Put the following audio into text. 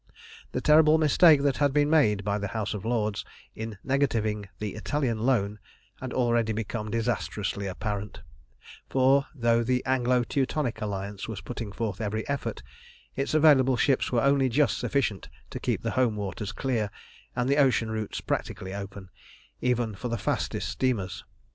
The terrible mistake that had been made by the House of Lords in negativing the Italian Loan had already become disastrously apparent, for though the Anglo Teutonic Alliance was putting forth every effort, its available ships were only just sufficient to keep the home waters clear and the ocean routes practically open, even for the fastest steamers.